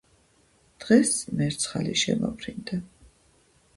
დღეს მერცხალი შემოფრინდა,